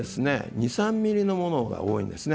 ２、３ｍｍのものが多いんですね。